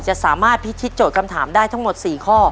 จะสามารถพิษทิศโจทย์คำถามได้ทั้งหมดสี่ข้อ